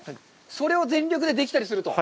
それを全力でできたりすると？